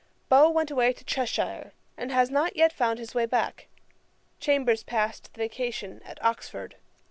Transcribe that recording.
Beau went away to Cheshire, and has not yet found his way back. Chambers passed the vacation at Oxford.